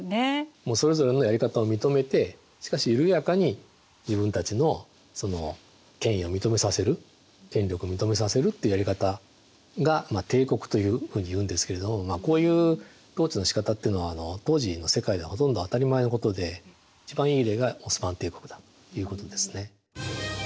もうそれぞれのやり方を認めてしかし緩やかに自分たちの権威を認めさせる権力を認めさせるというやり方が帝国というふうに言うんですけれどこういう統治のしかたというのは当時の世界ではほとんど当たり前のことで一番いい例がオスマン帝国だということですね。